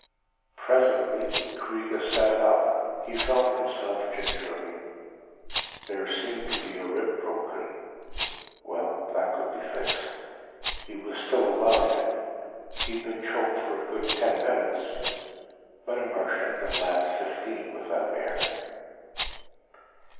Presently Kreega sat up. He felt himself gingerly. There seemed to be a rib broken well, that could be fixed. He was still alive. He'd been choked for a good ten minutes, but a Martian can last fifteen without air.